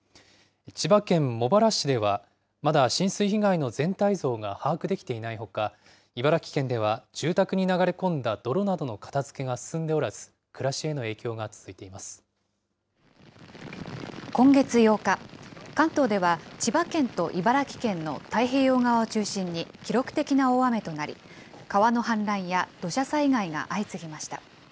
千葉県茂原市では、まだ浸水被害の全体像が把握できていないほか、茨城県では住宅に流れ込んだ泥などの片づけが進んでおらず、暮ら今月８日、関東では千葉県と茨城県の太平洋側を中心に記録的な大雨となり、川の氾濫や土砂災害が相次ぎました。